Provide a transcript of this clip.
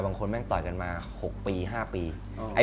บางคนต่อยกันมา๖ปี๕ปี